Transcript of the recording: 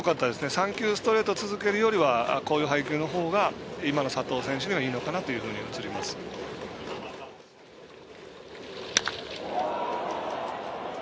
３球ストレートを続けるよりはこういう配球のほうが今の佐藤選手にはいいのかなと映ります。